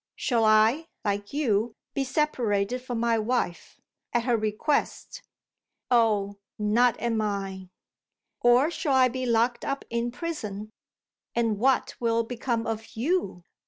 Shall I, like you, be separated from my wife at her request; oh, not at mine! Or shall I be locked up in prison? And what will become of You?